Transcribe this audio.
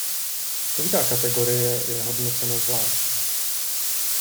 Každá kategorie je hodnocena zvlášť.